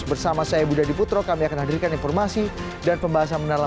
bersama saya budha diputro kami akan hadirkan informasi dan pembahasan mendalam